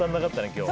今日。